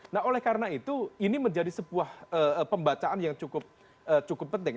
nah oleh karena itu ini menjadi sebuah pembacaan yang cukup penting